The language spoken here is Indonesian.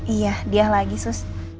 iya diah lagi sus